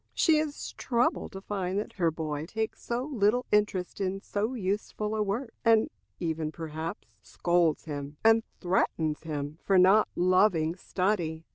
She is troubled to find that her boy takes so little interest in so useful a work, and even, perhaps, scolds him, and threatens him for not loving study.